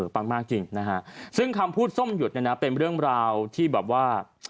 ปังมากจริงนะฮะซึ่งคำพูดส้มหยุดเนี่ยนะเป็นเรื่องราวที่แบบว่า